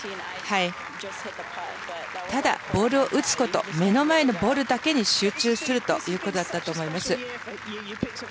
ただボールを打つこと目の前のボールに集中するということだったと思います。